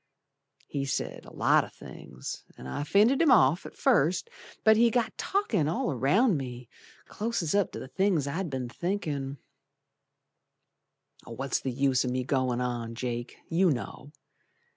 He said a lot o' things, An' I fended him off at first, But he got talkin' all around me, Clost up to the things I'd be'n thinkin', What's the use o' me goin' on, Jake, You know.